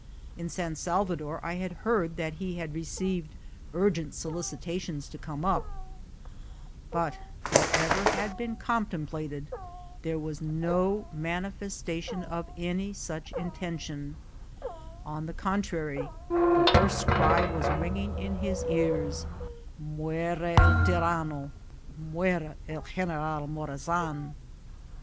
In San Salvador I had heard that he had re ceived urgent solicitations to come up ; but, whatever had been contemplated, there was no manifestation of any such intention ; on the contrary, the hoarse cry was ringing in his ears, " Muera el tyranno ! Muera el Gen eral Morazan